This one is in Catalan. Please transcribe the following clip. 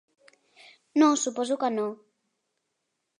No, suposo que no.